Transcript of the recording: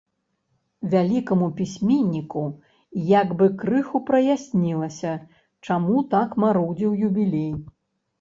Вялікаму пісьменніку як бы крыху праяснілася, чаму так марудзіў юбілей.